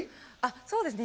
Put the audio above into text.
そうですね